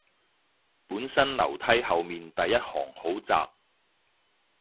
本身樓梯後面第一行好窄